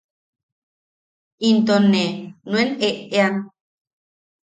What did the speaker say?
Into ne nuen e’ean.